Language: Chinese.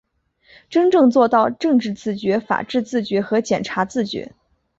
真正做到政治自觉、法治自觉和检察自觉